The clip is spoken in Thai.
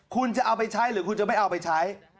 คุณจะเอาไปใช้หรือคุณจะไม่เอาไปใช้